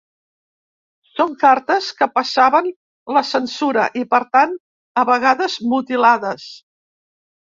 Són cartes que passaven la censura, i per tant a vegades mutilades.